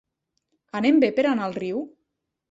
Anem bé per anar al riu?